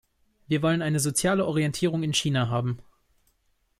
Wir wollen eine soziale Orientierung in China haben.